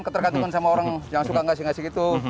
ketergantungan sama orang yang suka ngasih ngasih gitu